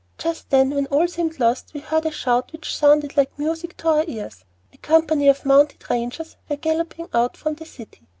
Just then, when all seemed lost, we heard a shout which sounded like music to our ears. A company of mounted Rangers were galloping out from the city.